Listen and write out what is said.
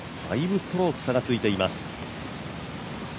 ５ストローク差がついています。